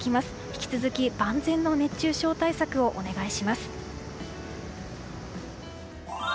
引き続き万全な熱中症対策をお願いします。